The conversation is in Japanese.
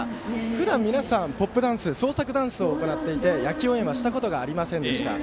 ふだん皆さん、ポップダンス創作ダンスを行っていて野球応援したことがありませんでした。